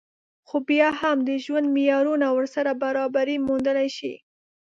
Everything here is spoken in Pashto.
خو بيا هم د ژوند معيارونه ورسره برابري موندلی شي